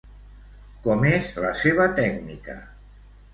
Com és la seva tècnica?